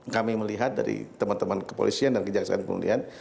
kami melihat dari teman teman kepolisian dan kejaksaan pemilihan